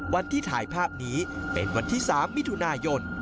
วันที่ถ่ายภาพนี้เป็นวันที่๓มิถุนายน